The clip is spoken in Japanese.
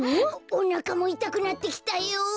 おなかもいたくなってきたよ。